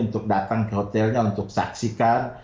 untuk datang ke hotelnya untuk saksikan